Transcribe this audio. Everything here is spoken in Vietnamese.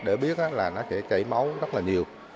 để biết là nó sẽ chảy máu rất là nhiều